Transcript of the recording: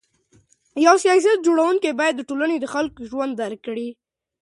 یو سیاست جوړونکی باید د ټولني د خلکو ژوند درک کړي.